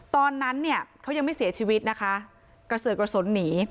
ตอนนั้นเนี่ยเขายังไม่เสียชีวิตนะคะกระเสือกกระสุนหนี